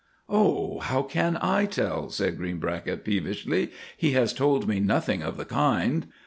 "Oh, how can I tell," said Greenbracket peevishly, "he has told me nothing of the kind."